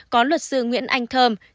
có luật sư nguyễn anh thơm